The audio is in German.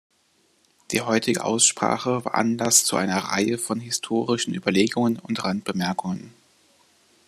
Die heutige Aussprache war Anlass zu einer Reihe von historischen Überlegungen und Randbemerkungen.